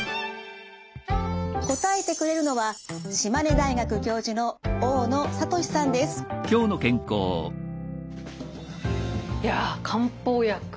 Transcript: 答えてくれるのはいや漢方薬。